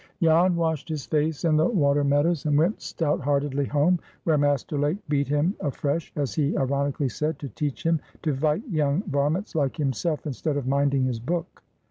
Jan washed his face in the water meadows, and went stout heartedly home, where Master Lake beat him afresh, as he ironically said, "to teach him to vight young varments like himself instead of minding his book."